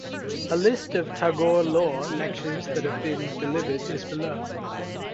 A list of the Tagore Law Lectures that have been delivered is below.